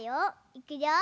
いくよ。